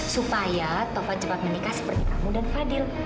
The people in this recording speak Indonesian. supaya taufan cepat menikah seperti kamu dan fadil